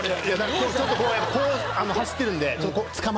ちょっとこう走ってるんで。